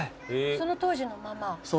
その当時のままです。